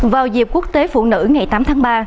vào dịp quốc tế phụ nữ ngày tám tháng ba